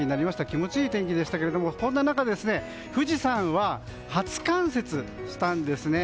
気持ちいい天気でしたがそんな中、富士山は初冠雪したんです。